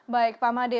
baik pak made